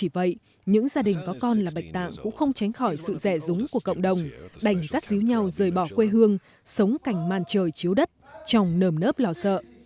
vậy những gia đình có con là bạch tạng cũng không tránh khỏi sự rẻ rúng của cộng đồng đành rắt díu nhau rời bỏ quê hương sống cảnh màn trời chiếu đất trong nờm nớp lo sợ